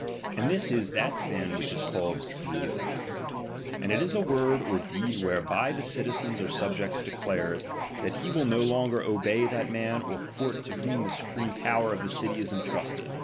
And this is that sm which is called iremon ; and it is a word or deed whereby the citizen or subject declares, that he will no longer obey that man or court to whom the supreme power of the city is entrusted.